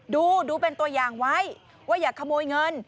ดูดูเป็นตัวอย่างไว้ว่าอย่าขโมยเงิน